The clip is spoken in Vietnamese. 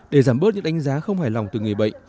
để giảm bớt những đánh giá không hài lòng từ người bệnh